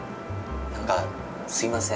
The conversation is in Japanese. なんかすいません。